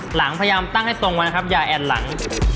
หลังพยายามตั้งให้ตรงมานะครับอย่าแอ่นหลัง